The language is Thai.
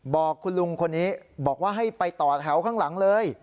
บอกคุณลุงคนนี้บอกว่าให้ไปต่อแถวข้างหลังเลย